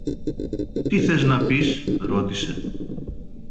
Τι θες να πεις; ρώτησε.